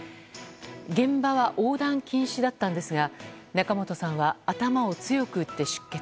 現場は、横断禁止だったんですが仲本さんは頭を強く打って出血。